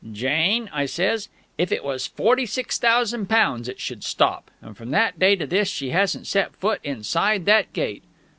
"'Jane,' I says, 'if it was forty six thousand pounds it should stop'... and from that day to this she hasn't set foot inside that gate."